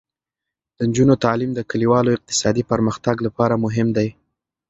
د نجونو تعلیم د کلیوالو اقتصادي پرمختګ لپاره مهم دی.